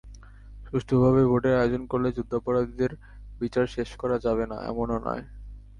সুষ্ঠুভাবে ভোটের আয়োজন করলে যুদ্ধাপরাধীদের বিচার শেষ করা যাবে না, এমনও নয়।